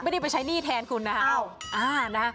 ไม่ได้ไปใช้หนี้แทนคุณนะครับ